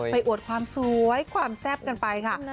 อวดความสวยความแซ่บกันไปค่ะ